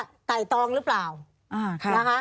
มีความรู้สึกว่ามีความรู้สึกว่า